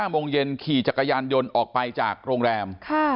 โมงเย็นขี่จักรยานยนต์ออกไปจากโรงแรม